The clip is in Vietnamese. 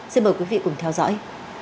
xin mời quý vị cùng theo dõi